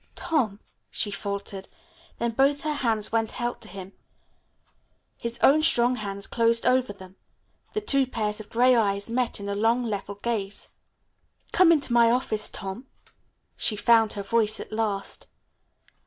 "Tom," she faltered. Then both her hands went out to him. His own strong hands closed over them. The two pairs of gray eyes met in a long level gaze. "Come into my office, Tom." She found her voice at last.